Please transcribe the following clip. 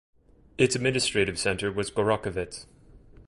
Its administrative centre was Gorokhovets.